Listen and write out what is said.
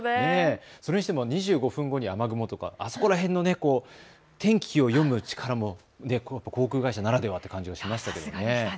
それにしても２５分後に雨雲などあの辺の天気を読む力、航空会社ならではという感じもしますね。